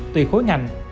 tùy khối ngành